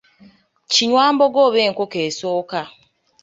Kinywambogo oba enkoko esooka.